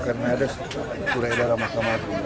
karena ada surat edaran mahkamah agung